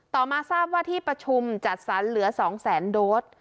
มาทราบว่าที่ประชุมจัดสรรเหลือ๒แสนโดส